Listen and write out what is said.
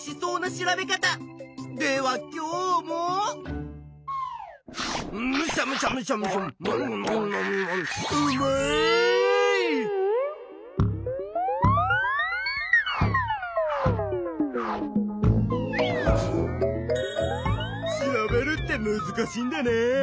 調べるってむずかしいんだな。